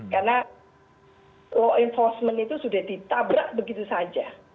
karena law enforcement itu sudah ditabrak begitu saja